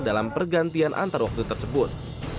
dalam pergantian antar waktu tersebut